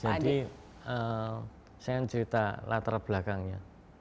jadi saya ingin cerita latar belakangnya